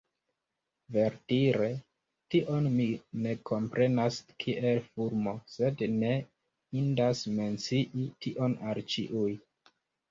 Verdire tion mi ne komprenas kiel fulmo, sed ne indas mencii tion al ĉiuj.